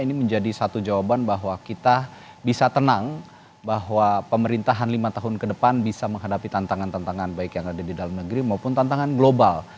ini menjadi satu jawaban bahwa kita bisa tenang bahwa pemerintahan lima tahun ke depan bisa menghadapi tantangan tantangan baik yang ada di dalam negeri maupun tantangan global